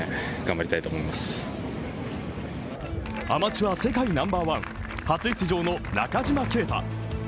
アマチュア世界ナンバーワン、初出場の中島啓太。